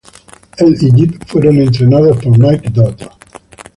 Él y Gibb fueron entrenados por Mike Dodd.